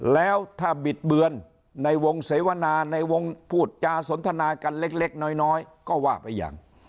แล้วถ้าบิดเบือนในวงเสวนาในวงพูดจาสนทนากันเล็กน้อยก็ว่าไปอย่าง